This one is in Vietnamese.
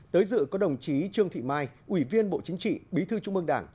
tới dự có đồng chí trương thị mai ủy viên bộ chính trị bí thư trung mương đảng